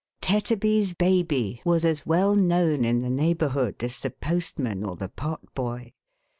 "Tetterby's baby" was as well known in the neighbourhood as the postman or the pot boy.